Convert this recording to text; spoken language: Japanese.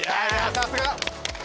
さすが！